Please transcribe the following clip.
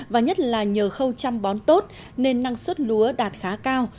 và nhất là nhờ khâu chăm bón tốt nên năng suất lúa đạt khá cao